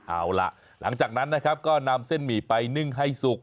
เอาล่ะหลังจากนั้นนะครับก็นำเส้นหมี่ไปนึ่งให้สุก